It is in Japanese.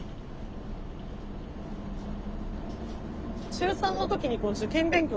中３の時に受験勉強